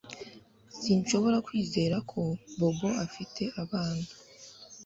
Sinshobora kwizera ko Bobo afite abana